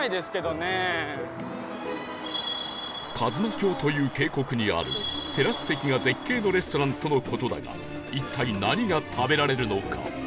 数馬峡という渓谷にあるテラス席が絶景のレストランとの事だが一体何が食べられるのか？